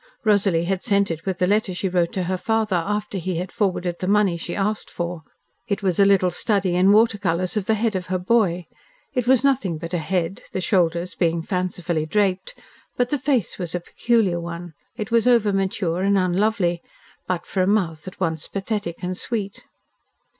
Rosalie had sent it with the letter she wrote to her father after he had forwarded the money she asked for. It was a little study in water colours of the head of her boy. It was nothing but a head, the shoulders being fancifully draped, but the face was a peculiar one. It was over mature, and unlovely, but for a mouth at once pathetic and sweet.